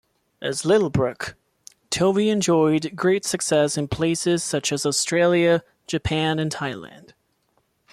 As Littlebrook, Tovey enjoyed great success in places such as Australia, Japan and Thailand.